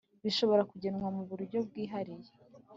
bishobora kugenwa mu buryo bwihariye